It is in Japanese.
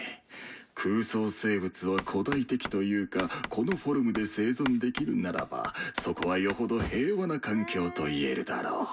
空想生物は古代的というかこのフォルムで生存できるならばそこはよほど平和な環境と言えるだろう。